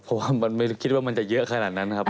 เพราะว่ามันไม่คิดว่ามันจะเยอะขนาดนั้นครับ